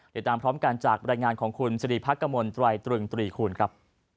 เดี๋ยวตามพร้อมกันจากบรรยายงานของคุณสิริพักกมลตรายตรึงตรีคูณครับ